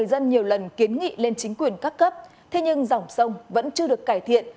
dân nhiều lần kiến nghị lên chính quyền các cấp thế nhưng dòng sông vẫn chưa được cải thiện